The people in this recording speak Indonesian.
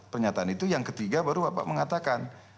pernyataan itu yang ketiga baru bapak mengatakan